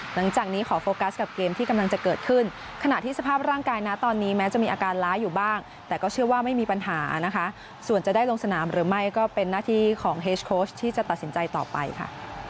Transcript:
หลังจากนี้ขอโฟกัสกับเกมที่กำลังจะเกิดขึ้นขณะที่สภาพร่างกายนะตอนนี้แม้จะมีอาการล้าอยู่บ้างแต่ก็เชื่อว่าไม่มีปัญหานะคะส่วนจะได้ลงสนามหรือไม่ก็เป็นหน้าที่ของเฮสโค้ชที่จะตัดสินใจต่อไปค่ะ